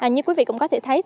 như quý vị cũng có thể thấy